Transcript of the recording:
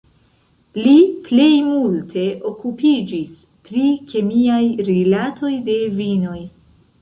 Li plej multe okupiĝis pri kemiaj rilatoj de vinoj.